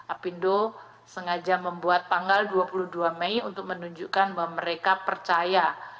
apindo sengaja membuat tanggal dua puluh dua mei untuk menunjukkan bahwa mereka percaya